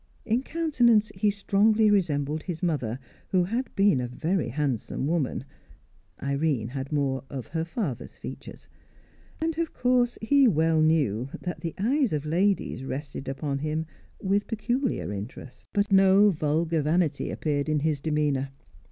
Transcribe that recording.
In countenance he strongly resembled his mother, who had been a very handsome woman (Irene had more of her father's features), and, of course, he well knew that the eyes of ladies rested upon him with peculiar interest; but no vulgar vanity appeared in his demeanour.